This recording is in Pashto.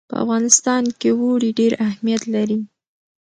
په افغانستان کې اوړي ډېر اهمیت لري.